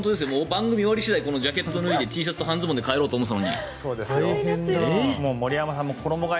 番組が終わり次第このジャケットを脱いでＴシャツと半ズボンで帰ろうと思っていたんですが。